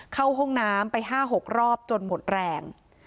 เข้าห้องน้ำไป๕๖รอบจนหมดแรง